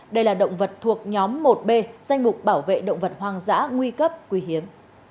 đây là động vật thuộc nhóm một b danh mục bảo vệ động vật hoang dã nguy cấp quý hiếm